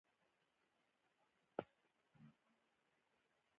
مزارشریف د هیواد د چاپیریال د مدیریت لپاره خورا مهم دی.